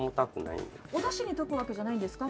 おだしに溶くわけじゃないんですか？